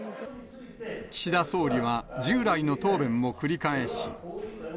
岸田総理は、従来の答弁を繰り返し。